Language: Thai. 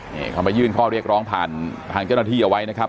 นี่เขามายื่นข้อเรียกร้องผ่านทางเจ้าหน้าที่เอาไว้นะครับ